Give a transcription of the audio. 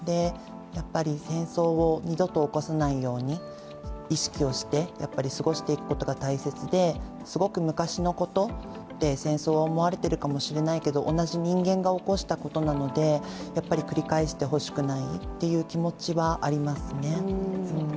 戦争を２度と起こさないように意識して、過ごしていくことが大切で、すごく昔のことって、戦争は思われているかもしれないけど同じ人間が起こしたことなのでやっぱり繰り返してほしくないっていう気持ちはありますね。